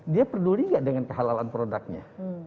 dia peduli gak dengan kehalalan produknya